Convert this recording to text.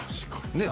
ねえ。